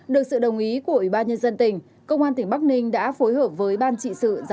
được sự đồng ý của ủy ban nhân dân tỉnh công an tỉnh bắc ninh đã phối hợp với ban trị sự